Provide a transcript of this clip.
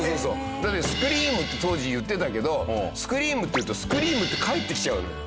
「スクリーム」って当時言ってたけど「スクリーム」って言うと「スクリーム」って返ってきちゃうのよ。